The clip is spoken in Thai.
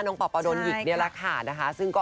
น้องป่าปะดนอีกนี่แหละค่ะซึ่งก็